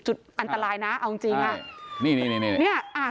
จุดอันตรายนะเอาจริงนี่